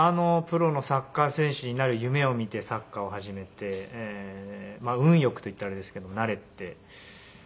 プロのサッカー選手になる夢を見てサッカーを始めて運よくといったらあれですけどもなれて。